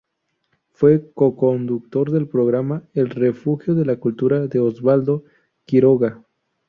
Fue co-conductor del programa "El Refugio de la Cultura", de Osvaldo Quiroga.